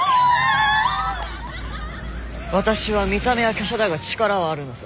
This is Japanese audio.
私は見た目は華奢だが力はあるのさ。